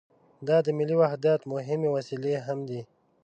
دا د ملي وحدت مهمې وسیلې هم دي.